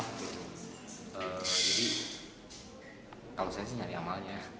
jadi kalau saya sih nyari amalnya